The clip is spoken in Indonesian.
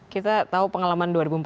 kita tahu pengalaman